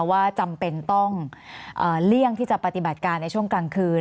ว่าจำเป็นต้องเลี่ยงที่จะปฏิบัติการในช่วงกลางคืน